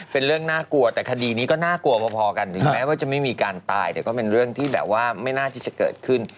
เป็นเรื่องน่ากลัวแต่คดีนี้ก็น่ากลัวพอกันถึงแม้ว่าจะไม่มีการตายแต่ก็เป็นเรื่องที่แบบว่าไม่น่าที่จะเกิดขึ้น